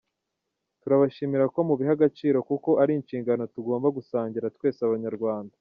Turabashimira ko mubiha agaciro kuko ari inshingano tugomba gusangira twese Abanyarwanda.